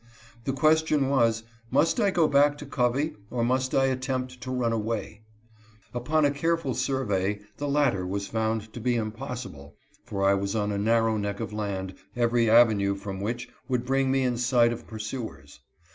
The question was, must I go back to Covey, or must I attempt to run away ? Upon a careful survey the latter was found to be impossi ble ; for I was on a narrow neck of land, every avenue from which would bring me in sight of pursuers.